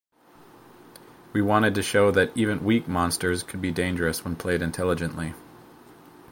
We wanted to show that even weak monsters could be dangerous when played intelligently.